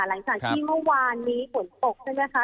หลังจากที่เมื่อวานมีฝนปลอกนะคะ